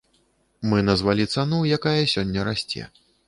Мы назвалі цану, якая сёння расце.